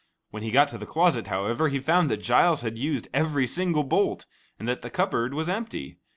When he got to the closet, however, he found that Giles had used every single bolt, and that the cupboard was empty.